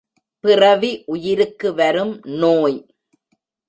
பிறவி உயிருக்கு வரும் நோய்.